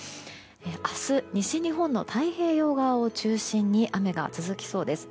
明日、西日本の太平洋側を中心に雨が続きそうです。